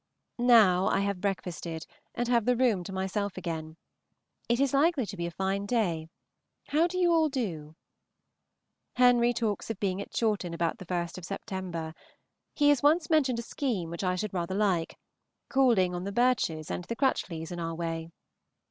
Now I have breakfasted and have the room to myself again. It is likely to be a fine day. How do you all do? Henry talks of being at Chawton about the 1st of Sept. He has once mentioned a scheme which I should rather like, calling on the Birches and the Crutchleys in our way.